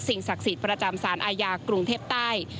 ศักดิ์สิทธิ์ประจำสารอาญากรุงเทพใต้